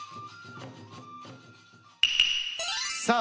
さあ